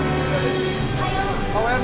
おはよう！